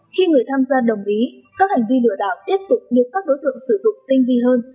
khi người tham gia đồng ý các hành vi lừa đảo tiếp tục được các đối tượng sử dụng tinh vi hơn